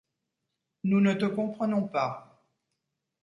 Nous ne te comprenons pas.